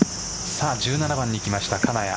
１７番に来ました、金谷。